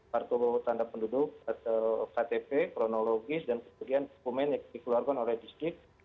kartu tanda penduduk atau ktp kronologis dan kemudian dokumen yang dikeluarkan oleh distrik